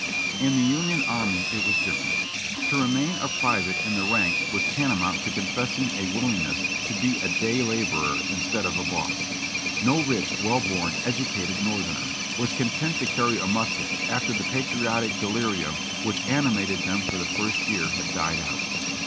In the Union Army it was different; to remain a private in the ranks was tantamount to confessing a willingness to be a day laborer instead of a boss. No rich, well born, educated North erner was content to carry a musket after the patriotic delirium which animated them for the first year had died out.